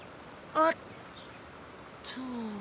あっと。